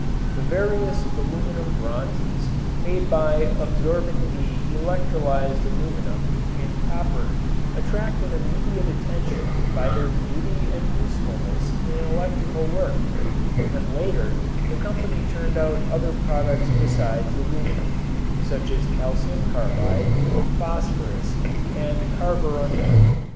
The various aluminum bronzes made by absorbing the electrolyzed aluminum in copper attracted immediate attention by their beauty and usefulness in electrical work and later the company turned out other products besides aluminum, such as calcium carbide, phosphorus, and carborundum.